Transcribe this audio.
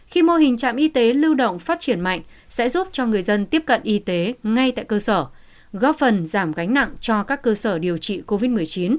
khi mô hình trạm y tế lưu động phát triển mạnh sẽ giúp cho người dân tiếp cận y tế ngay tại cơ sở góp phần giảm gánh nặng cho các cơ sở điều trị covid một mươi chín